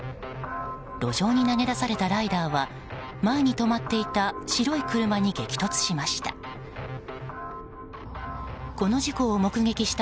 路上に投げ出されたライダーは前に止まっていた白い車に激突しました。